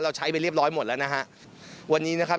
เราใช้ไปเรียบร้อยหมดแล้วนะครับ